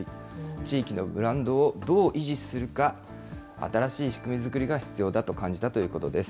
地域のブランドをどう維持するか、新しい仕組み作りが必要だと感じたということです。